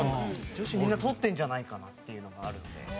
女子みんな通ってるんじゃないかなっていうのがあるので。